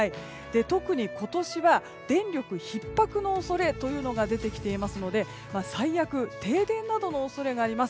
特に今年は電力ひっ迫の恐れというのが出てきていますので、最悪停電などの恐れがあります。